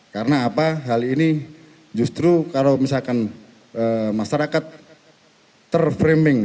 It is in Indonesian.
karena apa hal ini justru kalau misalkan masyarakat terframing